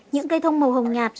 những cây thông màu hồng nhạt